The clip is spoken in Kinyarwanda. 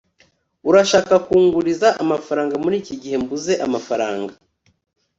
urashobora kunguriza amafaranga muri iki gihe mbuze amafaranga